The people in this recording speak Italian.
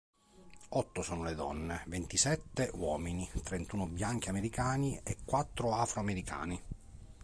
Otto sono le donne, ventisette uomini, trentuno bianchi americani e quattro afroamericani.